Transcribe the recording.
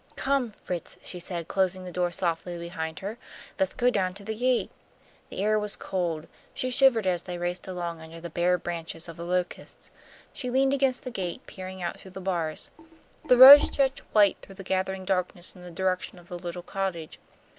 "Come, Fritz," she said, closing the door softly behind her, "let's go down to the gate." The air was cold. She shivered as they raced along under the bare branches of the locusts. She leaned against the gate, peering out through the bars. The road stretched white through the gathering darkness in the direction of the little cottage.